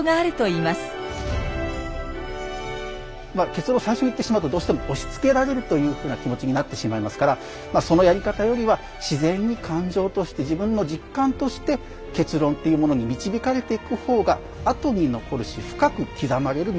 結論を最初に言ってしまうとどうしても押しつけられるというふうな気持ちになってしまいますからそのやり方よりは自然に感情として自分の実感として結論っていうものに導かれていく方がと思うんですね。